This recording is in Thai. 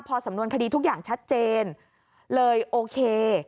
พอสำนวนคดีทุกอย่างชัดเจนเลยโอเค